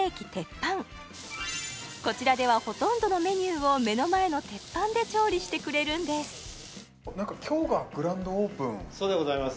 こちらではほとんどのメニューを目の前の鉄板で調理してくれるんですそうでございます